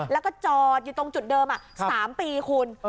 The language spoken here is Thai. แล้วก็จอดอยู่ตรงจุดเดิม๓ปีคุณ